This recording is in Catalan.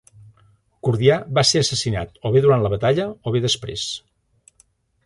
Gordià va ser assassinat o bé durant la batalla, o bé després.